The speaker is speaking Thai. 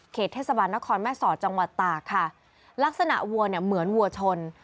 เทศบาลนครแม่สอดจังหวัดตากค่ะลักษณะวัวเนี่ยเหมือนวัวชน